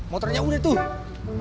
motornya udah tuh